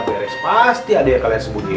pasti ada yang kalian sembunyiin